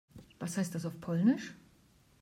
Was heißt das auf Polnisch?